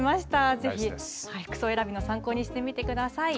ぜひ服装選びの参考にしてみてください。